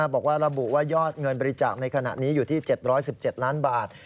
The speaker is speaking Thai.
บอกว่าระบุว่ายอดเงินบริจาคในขณะนี้อยู่ที่๗๑๗ล้านบาท